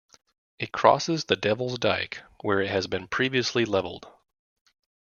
It crosses the Devil's Dyke where it has been previously levelled.